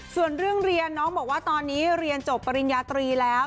ส่วนเรื่องเรียนน้องบอกว่าตอนนี้เรียนจบปริญญาตรีแล้ว